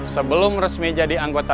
sebelum resmi jadi anggota